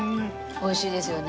美味しいですよね。